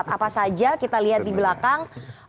apa saja kita lihat di belakang